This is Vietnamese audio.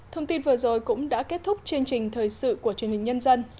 thông tin vừa rồi cũng đã kết thúc chương trình thời sự của truyền hình nhân dân